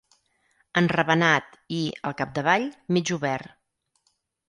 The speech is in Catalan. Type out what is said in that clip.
Enravenat i, al capdavall, mig obert.